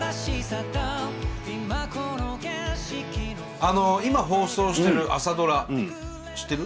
あの今放送してる「朝ドラ」知ってる？